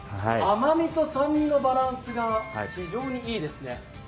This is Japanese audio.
甘みと酸味のバランスが非常にいいですね。